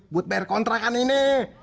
buat bayar kontrakan ini